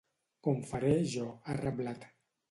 Com faré jo, ha reblat.